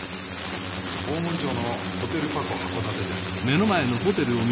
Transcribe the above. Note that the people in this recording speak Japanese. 大森町のホテルパコ函館です。